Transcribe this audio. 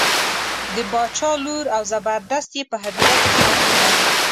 د باچا لور او زبردست یې په هدیره کې ښخ کړل.